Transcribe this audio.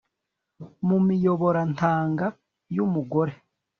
mu miyoborantanga yu mugore